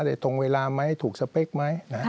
ตรงเวลาไหมถูกสเปคไหม